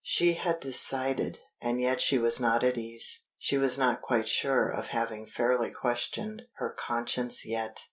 She had decided, and yet she was not at ease; she was not quite sure of having fairly questioned her conscience yet.